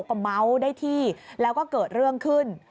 ก็เมาได้ที่แล้วก็เกิดเรื่องขึ้น